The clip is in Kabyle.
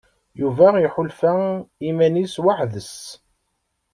Yuba iḥulfa iman-is weḥd-s.